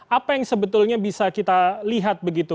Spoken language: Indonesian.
apa yang sebetulnya bisa kita lihat begitu